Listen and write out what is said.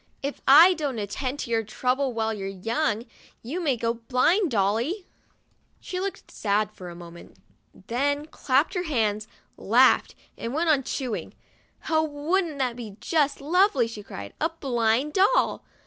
"If I don't at tend to your trouble while your young, you may go blind, Dolly !" She looked sad for a mo ment, then clapped her hands, laughed, and went on chew ing. "Oh, wouldn't that be just lovely!' she cried. "A blind doll!